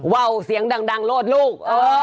ว่าวเสียงดังโลดลูก